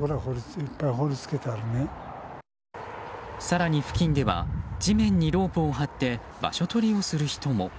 更に付近では地面にロープを張って場所取りをする人も。